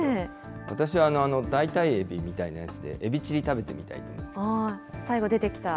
私は代替エビみたいなやつでエビチリ食べてみたいと思って。